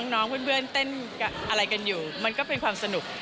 น้องเพื่อนเต้นอะไรกันอยู่มันก็เป็นความสนุก